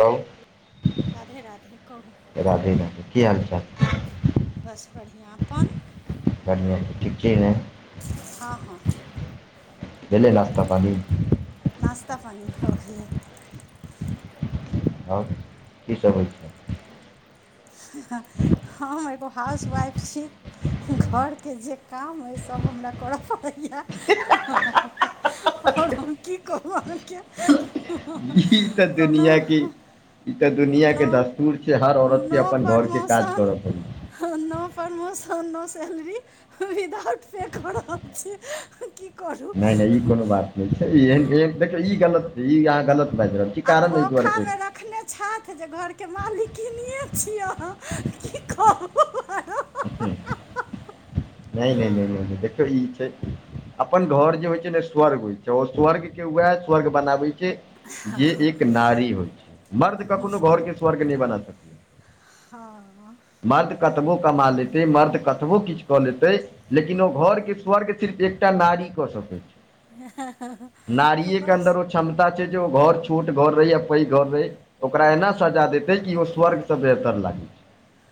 तउ राधे राधे कहूँ? राधे राधे की हाल चाल? बस बढ़िआँ, अपन? बढ़िया, ठीके है। हाँ -हाँ भेलेय नास्ता पानी? नास्ता पानी भऽ गेलै। और की सब होइ छै? हम एगो हाउस वाइफ छी। घरके जे काम अइ सभ हमरा करऽ पड़ैया। और हम की कहू अहाँके? ई तऽ कोनो दुनिया के ई तऽ दुनिया के नो दस्तूर छै हर औरत के नो अपन घर के काज प्रमोशन, करऽ पड़ी no promotion, no salary without [unintelligible] फैक छै नहि -नहि ई कोनो बात नहि छै, एहन एन देखियौ ई गलत ई अहाँ गलत बाजि रहल छी आ कारण एहि दुआरे धोखा कहै मे रखने [unintelligible] घरके मालिकिन छी, कि कहू अहाँ के? नहि- नहि- नहि- नहि- नहि देख ई छै। अपन घर जे होइ छै ने स्वर्ग होइ छै ओ स्वर्ग के उएह स्वर्ग बनाबै छै। जे एक नारी होइ छै, मर्द कखनो घरके स्वर्ग नहि बना सकत। हँ मर्द कतबो कमा लेतै, मर्द कतबो किछ कऽ लेतै। लेकिन ओ घरके स्वर्ग सिर्फ एकटा नारी कऽ सकैत छै। नारियेके बस अन्दर ओ क्षमता छै, जे ओ घर छोट घर रहै या पैघ घर रहै ओकरा एना सजा देतै, कि ओ स्वर्गसँ बेहतर लागतै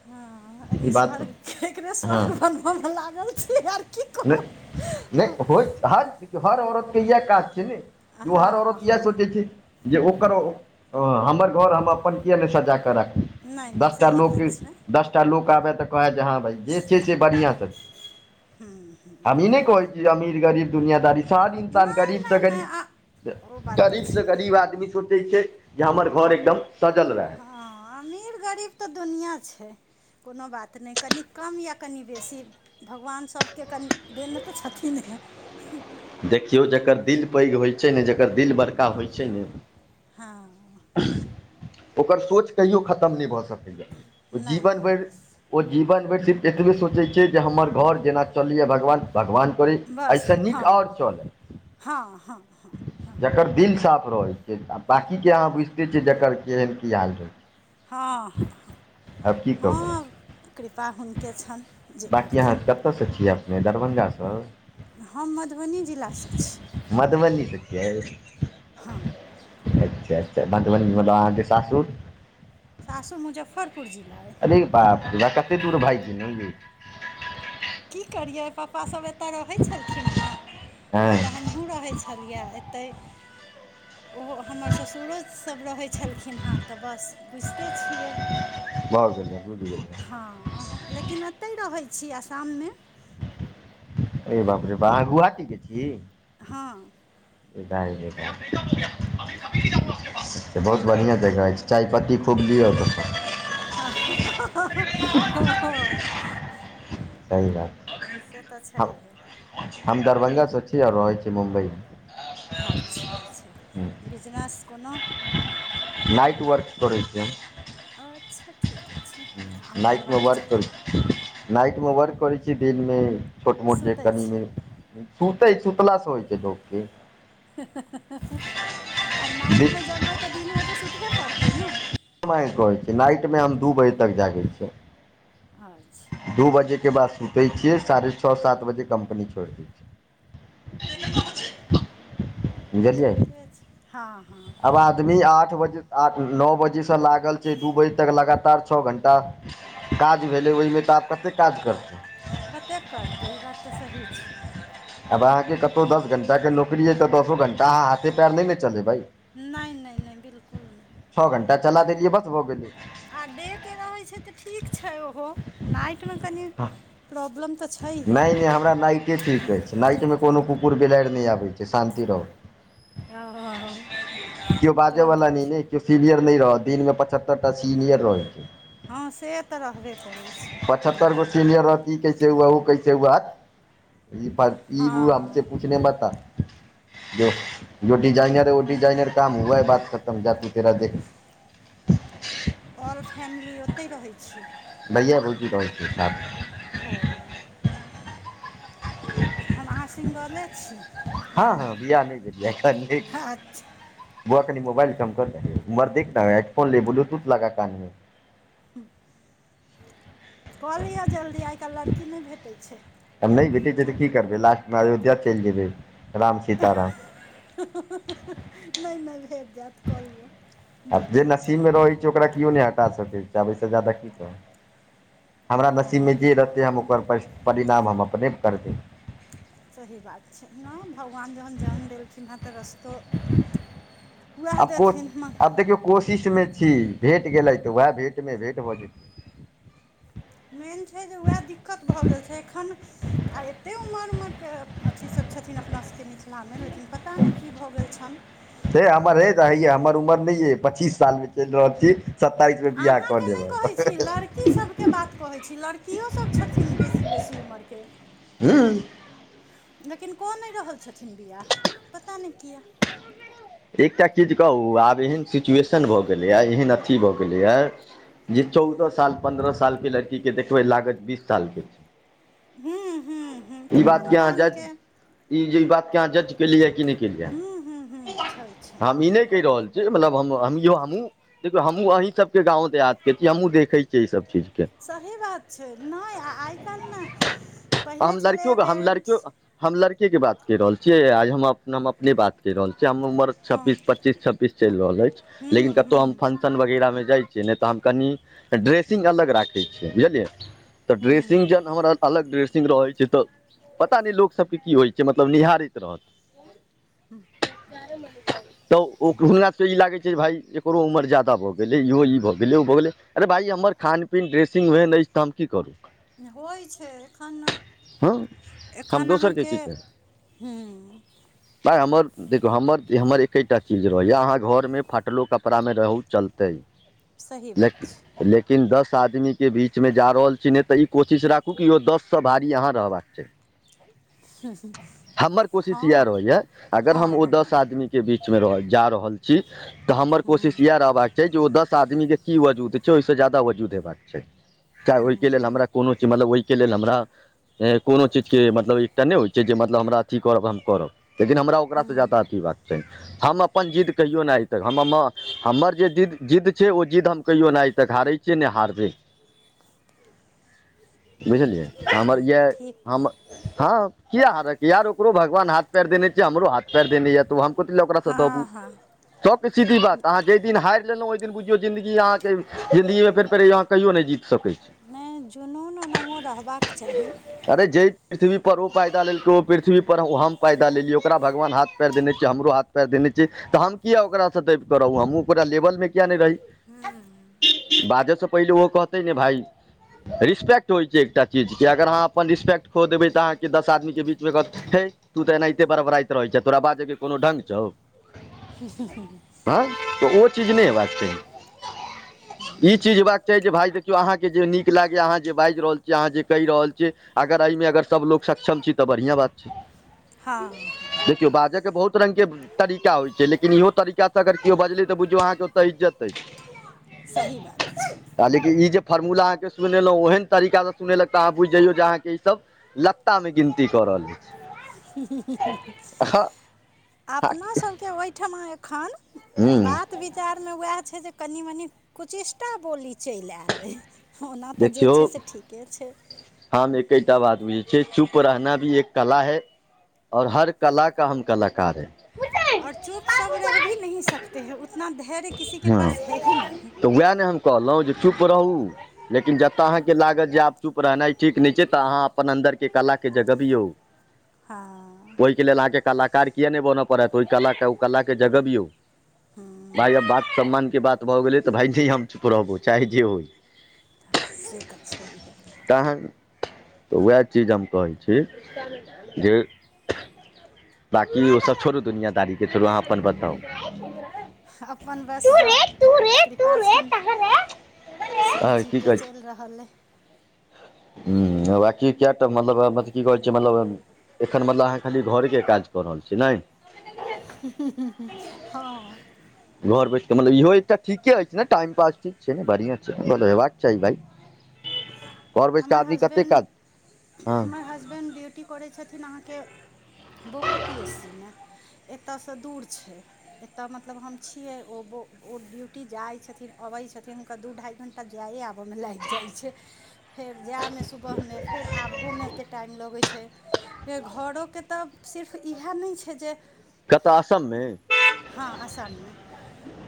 हँ अही स्वर्ग, एकरे हँ स्वर्ग बनबै मे लागल छी आर की कहू। नहि नहि होइत हैत, हर औरतके इएह काज छियै ने। हर हँ औरत इएह हँ सोचै छै जे ओकर हमर घर हम अपन किए नहि सजा कऽ राखी। नहि नहि दसटा सही बात लोकके छै दस टा लोक आबै तऽ कहै जे हँ भाइ जे छै से बढ़िआँ छै। हम ई नहि कहै छी अमीर, गरीब, दुनियादारी, सारी इन्सान नहि गरीब नहि नहि जखैन आ ओ बात तऽ गरीब से छै गरीब आदमी सोचै छै जे हमर घर एकदम सजल रहै। हँ अमीर गरीब तऽ दुनिआ छै। कोनो बात नै कनि कम या कनि बेसी। भगवान सभके कनि देने तऽ छथिन हें। देखियौ जकर दिल पैघ होइ छै ने जकर दिल बड़का होइ छै ने हँ। ओकर सोच कहियो खतम नहि भऽ सकै छै, नहि जीवन नहि भरि ओ जीवनभरि सिर्फ एतबे सोचै छै जे हमर घर जेना चलैए भगवान भगवान करै बस ऐसे नीक हँ और चले, हँ हँ हँ जकर दिल साफ रहै छै बाँकीके अहाँ बुझिते छियै जकर केहन की हाल छै। हँ हँ हँ आब की कहू हँ कृपा हुनके छनि जे बाँकी अहाँ करथिन। कतयसँ छियै अपने दरभंगा स। हम मधुबनी जिला सं छी। मधुबनी से छियै? हँ। अच्छा अच्छा मधुबनी मतलब अहाँके सासुर? सासूर मुजफ्फरपुर जिला ऐ। अरे बाप रे बाप कते दूर भाइग गेलौं यै। की करियै पप्पा सभ एतऽ रहै छलखिन हँ आ हँ तऽ हम हमहूँ रहै छलियै एतय, ओहो हमर ससुरो सब रहै छल खिन हँ तऽ बस बुइझते छियै। भऽ गेलै बुइझ गेलौं। हाँ लेकिन अतय रहै छी असाम में। अरे बाप रे बा, अहाँ गुहाटी के छी? हँ। दाय गे दाय, बहुत बढ़िआँ जगह अइछ। चायपत्ती खूब लिअ ओतऽ स। हँ-हँ। सही बात, से तऽ हम छैहे हम दरभंगा सँ छी और रहै छी मुम्बई में। आच्छा-अच्छा, बिजनेस कोनो नाइट वर्क करै छियै हम। अच्छा ठीके छै। काम नाइक में करबाक वर्क चाही करै छी। नाइट में वर्क करै छियै दिन में छोट मोट जे सुतै कनि छी मनि सुतै सुतलासँ होइ छै लोक के। हं-हं-हं-हं आ नाइट में जगबै तऽ दिन में तऽ सुतबे पड़तै न। कमाई करै छी नाइट में हम दू बजे तक जागै छियै। अच्छा दू बजे के बाद सुतै छियै साढ़े छऽ सात बजे कम्पनी छोइड़ दै छियै। हं बुझलियै ठीके छै, हाँ हँ। आब आदमी आठ बजे आठ नौ बजेस लागल छै दू बजे तक लगातार छऽ घण्टा। काज भेलै ओहि में तऽ आब कते काज करतै। कतेक करतै ई बात तऽ सही छै। आब अहाँके कतौ दस घंटा के नौकरी अइ तऽ दसो घंटा अहाँ हाथे पैर नै ने चलेबै। नई नई नई बिल्कुल नई। छऽ घण्टा चला देलियए बस भऽ गेलै। आ डे के रहै छै तऽ ठीक छै ओहो नाइट में कनि प्रॉब्लम तऽ छैहे नै नै हमरा नाइटे ठीक अइछ नाइट में कोनो कुकुर बिलैर नै आबै छै शान्ति रहू। ओ किओ तहन बाजवला तऽ नै ने ठीक किओ सीनियर नै रहत दिन में पचहत्तर टा सीनियर रहै छै। हँ से तऽ रहबे करै छै पचहत्तर गो हूँ। सीनियर रहत ई कैसे हुआ उ कैसे हुआ हट ई हँ प [unintelligible] [unintelligible] ऑल फैमिली ओतय रहै छी? भैया भौजी रहै छै साथ मे। ओ हम अहाँ सिंगले छी। हँ यानि हँ बियाह नै भेल या अखन। अच्छा बौआ कनि मोबाइल कम कर ने उम्हर देख ने हेडफोन ले ब्लूटूथ लगा कान मे। कऽ लियऽ जल्दी आइ काइल लड़की नै भेटै छै। तब नै भेटै छै तऽ की करबै लास्ट में अयोध्या चइल जेबै राम सीता राम। नै नै भेट जैत कऽ लियऽ। आ जे नसीब मे रहै छै ओकरा किओ नै हटा सकै छै आब अय स ज्यादा की कहू। हमरा हँ नसीब हँ मे ई जे रहतै हम ओकर पश परिणाम हम अपने करबै। सही बात छै नै भगवान जहन जन्म देलखिन हैं तऽ रस्तो वैह देथिन माह कोशिश मे छी भेट गेलै तऽ वैह भेट मे भेट भऽ जेतै। मेन छैय जे वैह दिक्कत भऽ गेल छैय एखन आ एते उमर उमरके अथी सब छथिन अपना सबके मिथिलामे लेकिन पता नहि की भऽ गेल छनि। हे हमर हे तऽ हइया हमर उमर नहि अइ पच्चीस सालमे चलि रहल छी। सत्ताइसमे बियाह कऽ अहाँकेँ नहि लेब हम कहै छी लड़कीसभके बात कहै छी लड़कियोसभ छथिन बेसी बेसी उमर के। हुं। लेकिन कऽ नहि रहल छथिन बियाह पता नहि किया। एकटा चीज कहू आब एहन सिचुएशन भऽ गेलैया एहन अथी भऽ गेलैया जे चौदह साल पन्द्रह साल के लड़की के देखबै लागत बीस साल के छैय। हूँ हूँ हूँ ई बात खान के जज पानके ई जे ई बात के अहाँ जज केलियै कि नहि केलियै हूँ हूँ हूँ छै छै हम ई नहि कहि रहल छी। जे मतलब हमौ हमहूँ देखौ हमहुँ अहीँ सबके गाँव देहातके छियै हमहूँ देखै छियै एहि सब चीजके। सही बात छै नइ आइ काल्हि ने पहिले हम लड़कियो छलेया हम लड़कियो पेरेन्ट्स हम लड़के के बात कैह रहल छियै आइ हम अप हम अपने बात कैह रहल छीयै हम उमर हँ छब्बीस पच्चीस छब्बीस चैल रहल अछि लेकिन हूँ कतौहु हम हूँ फंड कीर्तन वगैरहमे जाय छीये ने त हम कनी ड्रेसिंग अलग राखय छीये बुझलिये। त ड्रेसिंग ज [unintelligible] अलग ड्रेसिंग रहै छैय त पता नहि लोक सबके की होइ छैय मतलब निहारैत रहत। हू त ओ हुनका सबके इ लागै छैय जे भाइ एकरो उमर जादा भ गेलै इहो इ भ गेलै ओ भ गेलै अरे भाई इ हमर खान पीन ड्रेसिंग ओहेन अइछ त हम की करू। होइ छैय खाना हँ हम दोसरके की कही। तांय हमर देखु हमर, हमर एकेटा चीज रहैए अहाँ घरमे फाटलो कपड़ामे रहू चलतै सही बात लेकिन, छै लेकिन दस आदमीके बीचमे जा रहल छी ने ते इ कोशिश राखु कि यो दस स भारी अहाँ रहबाक चाही। हमर कोशिश यएह हँ रहैया अगर हम ओ हँ दस हँ आदमी के बीचमे रहल जा रहल छी त हमर कोशिश इहै रहबाक चाही जे ओ दस आदमीके की वजूद छैय ओहि स जादा वजूद हेबाक चाही, चाहे ओहि के लेल हमरा कोनो चीज मतलब ओहि के लेल हमरा कोनो चीज के मतलब एकटा नहि होय जे मतलब हमरा अथी करब त हम करब लेकिन हमरा ओकरासे जादा अथी हेबाक चाही। हम अपन जिद्द कहिओ नहि आइ तक हमम हमर जे जि जिद्द छैय ओ जिद्द हम कहियो नहि आइतक हारैय छी ने हारबैय। एक [inaudible] बुझलियै हमर तहन यैह ठीक अइ हम हँ किया हारऽ क यार ओकरो भगवान हाथ पैर देने छैय हमरो हाथ पैर देने यै त हम कथी लै ओकरा स दबू हँ हँ सबसे सीधी बात अहाँ जे दिन हारि लेलहुँ ओहि दिन बुझियौ जिन्दगी अहाँके जिन्दगीमे फेर, फेर अहाँ कहियो नहि जीत सकय छी। नहय जुनून ओनहो रहबाक चाही। अरे जय पृथ्वी पर ओ पैदा लेलकै ओ पृथ्वी पर ओ हम पैदा लेलियै ओकरा भगवान हाथ पैर देने छैय हमरो हाथ पैर देने छैय त हम किया ओकारसँ दबिकऽ रहु हम ओकरा लेवलमे किया नहि रही। बाजसँ पहिले ओहो कहतै जे भाई रिस्पेक्ट होइ छैय एकटा चीज कि अगर अहाँ अपन रिस्पेक्ट खो देबै त अहाँके दस आदमीके बीचमे कहत हे तू त एनहिते बरबराइत रहैय छै तोरा बाजयके कोनो ढंग छौ। हँ त ओ चीज नहि हँ हँ हेबाक चाही। इ चीज हेबाक चाही जे भाय देखियौ अहाँके जे नीक लागैये अहाँ जे बाजि रहल छी अहाँ जे कहि रहल छी अगर एहिमे सब लोग सक्षम छी त बढ़िआँ बात छैय। हँ हँ देखियौ बाजऽ के बहुत बहुत रंगके तरीका होइ छैय लेकिन इहो तरीका स अगर केओ बजलै त बुझियौ अहाँके ओतऽ इज्जत अइ। सही बात छैय। त लेकिन इ जे फॉर्मूला अहाँके सुनेलहुं ओहन तरीकाके सुनेलक त अहाँ बुझि जइयौ जे अहाँके इ सब लत्तामे गिनती क रहल य। अपना अछि सबके ओहिठमा एखन हूँ बात विचारमे वएह छैय जे कनि -मनि कुचिष्टा बोली चलि आयल अइ। ओना त जे देखियौ छैय से ठीके छैय। हम एकेटा बात बुझै छियै चुप [unintelligible] [unintelligible] [unintelligible] वैह ने हम कहलहुँ जे चुप रहू लेकिन जतय अहाँके लागत जे आब चुप रहनाइ ठीक नहि छै तऽ अहाँ अपन अन्दर के कला के जगबियौ। हँ। ओहिके लेल अहाँके कलाकार किए नहि बनऽ पड़त ओहि कलाके ओ कलाके जगबियौ। भाय आब बात सम्मानके बात भऽ गेलै तऽ भाय जी हम चुप रहबो चाहे जे होय। आ से तऽ छैहे। तखैन वैह चीज हम कहै छी जे बाकी ओ सब छोड़ू दुनियादारी के छोड़ू अहाँ अपन बताउ। क सु। [unintelligible] अपन बस सभ कृपा छनि। आ की श्रीजीके चलि रहल ए। हुं बाकी किया, मतलब तऽ की कहै छै मतलब। एखन मतलब अहाँ खाली घरे के काज कऽ रहल छी नै। [unintelligible] हँ। घर बैस कऽ मतलब इहो एकटा ठीके अछि ने टाइम पास ठीक छै ने बढ़ियां छै मतलब हयबाक चाही भाय। घर बैस कऽ हमर आदमी कतेक हसबैंड काज हँ हमर हस बैंड ड्यूटी करै छथिन अहाँके बोको पी एस सी मे। एतयसँ दूर छै। एतय मतलब हम छियै ओ ओ ड्यूटी जाइ छथिन अबैत छथिन हुनका दू ढाइ घण्टा तऽ जाए आबऽमे लागि जाइ छै। फेर जाइमे सुबहमे फेर आबहोमे एतेक टाइम लगैत छै। फेर घरोके तऽ सिर्फ इएह नहि छै जे कतऽ असम मे हँ असाममे।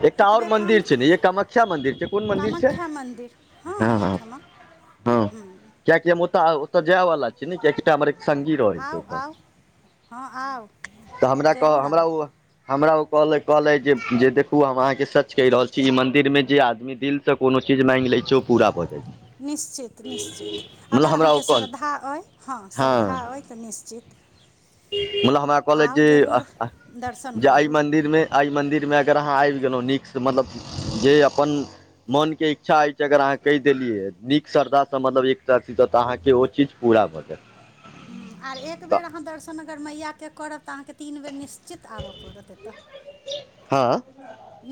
एकटा आओर एतबे काम, मंदिर छै ने य कामाख्या मंदिर छै कोन मंदिर छै कामाख्या मन्दिर हँ एहीठमा। हुं। किआकि हम ओत ओतय जाए वला छी ने, कियाकि त हमर एक। संगी रहै छै आउ ओतऽ, आउ हँ आउ तऽ हमरा कह जरूर हमरा आउ ओ। हमरा ओ कहलैथ जे देखू हम अहाँके सच कहि रहल छी ई मंदिर मे जे आदमी दिल सँ कोनो चीज मांगि लै छै ओ पूरा भऽ जाइ छै। निश्चित निश्चित, अगर मतलब हमरा ओ अहाँके कहल श्रद्धा अइ हँ श्रद्धा अइ तऽ निश्चित। मुदा हमरा कहलैथ आउ जरूर दर्शन जे ऐ करू मदिर मे एहि मन्दिरमे अगर अहाँ आबि गेलहुँ नीकसँ मतलब जे अपन मोनके इच्छा अछि अगर अहाँ कहि देलियै नीक श्रद्धासँ मतलब एकटा ऽ अहाँके ओ चीज। पूरा भऽ जायत। हँ आर एक तऽ बेर अहाँ दर्शन अगर मैयाकेँ करब तऽ अहाँकेँ तीन बेर निश्चित ऽ आबऽ पड़त एतऽ। हँ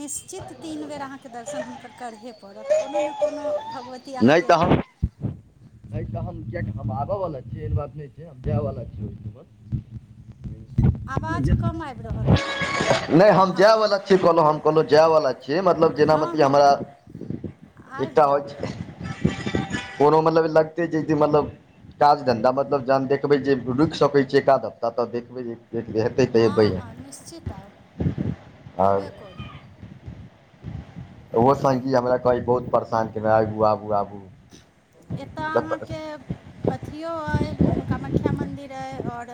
निश्चित तीन बेर अहाँके दर्शन हुनकर करहे पड़त, कोनो ने कोनो भगवती अ नहि अहाँके तऽ एतऽ हम नहि तऽ हम किएक हम आबऽवला छियै एहन बात नहि छै हम जाए बला छी ओहिठाम। आवाज कम आबि रहल अइ नहि हम हँ जायवला छी कहलहुँ हम कहलहुँ जायवला छी। छियै, मतलब जेना हँ मतलब हँ हमरा आबि एकटा जाउ अछि कोनो मतलब लगते जे कि मतलब काज धन्धा मतलब जखन देखबै जे रुकि सकैत छियै एकाध हफ्ता तऽ देखबै जे हेतै तऽ एबै हँ हँ निश्चित आउ आर अयबे करू ओहो एतऽ संगी हमरा कही बहुत परेशान केने आइ आबू, आबू, आबू। एतऽ हूँ अहाँके अथियो अइ म कामख्या मन्दिर अइ और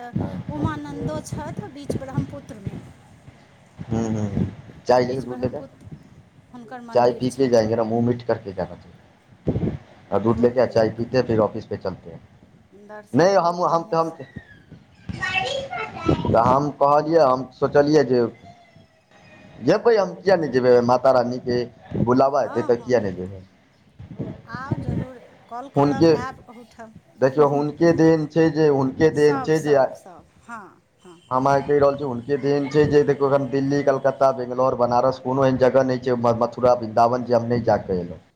उमानन्दो छथ बीच ब्रह्मपुत्र मे। हूँ चाय लेके बीच दूध लेके ब्रह्मपुत। चाय पी के जाएंगे न मुँह मिठ करके जाना चाहि। [unintelligible] आओ दूध बहुत लेते चाय नीक पीेते हैं फिर ऑफिस पे चल [unintelligible] ते है नै दर्शन हमु बहुत हम तऽ हम बढ़िआँसँ त हम कहलियैए हम सोचलियै जे जेबै हम किया नै जेबै माता रानी के बुलावा हेतै हँ त हँ किया ने जेबै। आउ जरूर कॉल करब हुनके ऐब अहुठाम। देखियौ हूहुह हुनके देन छै जे हुनके देन सब सब सब हँ हँ। मां कहि रहल छै हुनके देन छै जे देखु दिल्ली, कलकत्ता, बेंगलोर, बनारस कोनो एहन जगह नै छै पूरा वृन्दावन जे हम नै जा क पयलौ।